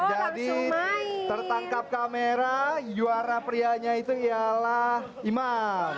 jadi tertangkap kamera juara prianya itu ialah imam